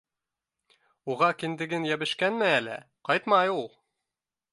Уға кендегең йәбешкәнме әллә? Ҡайтмай ул!